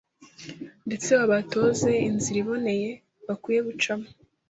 ndetse babatoze inzira iboneye bakwiye gucamo